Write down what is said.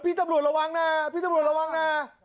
พี่ตำรวจระวังนะพี่ตำรวจระวังนะ